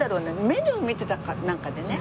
メニュー見てたかなんかでね。